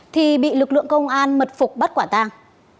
thì bị lực lượng công an mật phục bắt quả tàng